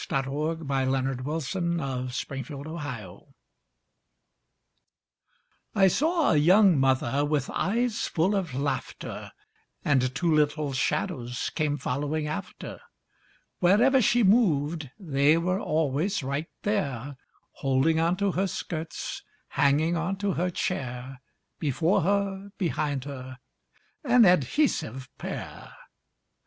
Previous Two Little ShadowsbyAuthor Unknown Next I saw a young mother With eyes full of laughter And two little shadows Came following after. Wherever she moved, They were always right there Holding onto her skirts, Hanging onto her chair. Before her, behind her An adhesive pair.